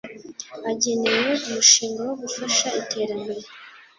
agenewe umushinga wo gufasha iterambere